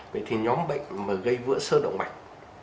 vậy thì nhóm bệnh mà gây vỡ sơ động mạch